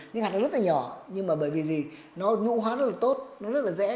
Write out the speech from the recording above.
những hạt rất nhỏ nhưng nhũ hóa rất tốt rất dễ